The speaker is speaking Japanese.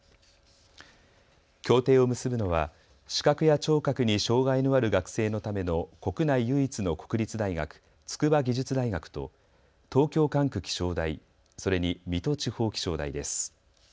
協定を結ぶのは視覚や聴覚に障害のある学生のための国内唯一の国立大学、筑波技術大学と東京管区気象台、それに水戸地方気象台です。